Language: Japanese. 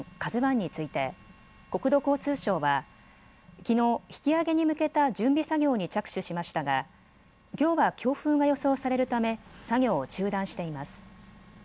ＫＡＺＵＩについて国土交通省はきのう引き揚げに向けた準備作業に着手しましたがきょうは風が予想されるため作業を中断しています。